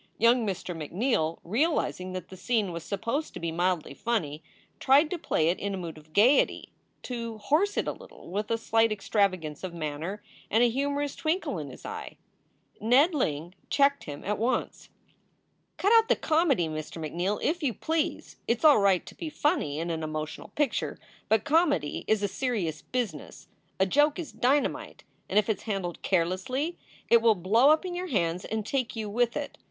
Young Mr. McNeal, realizing that the scene was supposed to be mildly funny, tried to play it in a mood of gayety to "horse" it a little with a slight extravagance of manner and a humorous twinkle in his eye. Ned Ling checked him at once. "Cut out the comedy, Mr. McNeal, if you please! It s all right to be funny in an emotional picture, but comedy is a serious business. A joke is dynamite, and if it s handled carelessly it will blow up in your hands and take you with it.